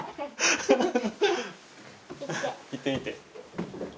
行ってみて。